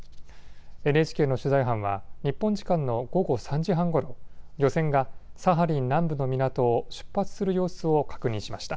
ＮＨＫの取材班は日本時間の午後３時半ごろ、漁船がサハリン南部の港を出発する様子を確認しました。